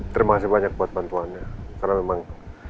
terima kasih banyak buat bantuannya karena memang